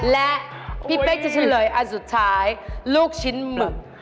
และพี่เป๊กจะเฉลยอันสุดท้ายลูกชิ้นหมึก